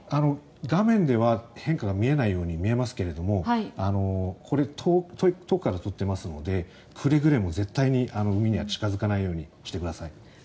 画面では変化が見えないように見えますけどもこれ、遠くから撮っていますのでくれぐれも絶対に海には近付かないようにしてください。